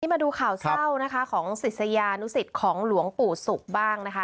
นี้มาดูข่าวเศร้าศ์ของศรีพรรณ์สิทธิ์ของหลวงปู่สุพธิ์บ้าง